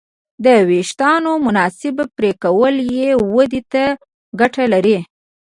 د وېښتیانو مناسب پرېکول یې ودې ته ګټه لري.